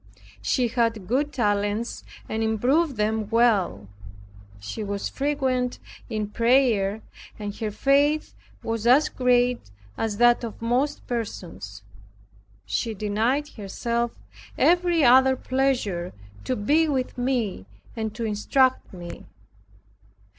She had good talents and improved them well. She was frequent in prayer and her faith was as great as that of most persons. She denied herself every other pleasure to be with me and to instruct me.